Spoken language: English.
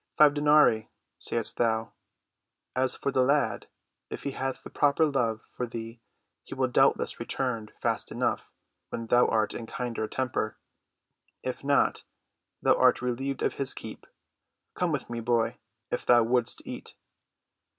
"Five denarii, saidst thou. As for the lad, if he hath the proper love for thee he will doubtless return fast enough when thou art in kindlier temper; if not, thou art relieved of his keep. Come with me, boy, if thou wouldst eat."